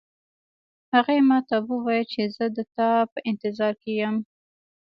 هغې ما ته وویل چې زه د تا په انتظار کې یم